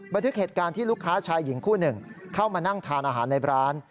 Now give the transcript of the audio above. บันทึกเหตุการณ์ที่ลูกค้าชายหญิงคู่หนึ่งเข้ามานั่งทานอาหารในร้าน